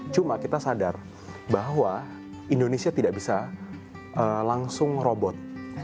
cuma kita sadar bahwa indonesia tidak bisa langsung robot